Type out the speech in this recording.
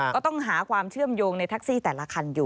ก็ต้องหาความเชื่อมโยงในแท็กซี่แต่ละคันอยู่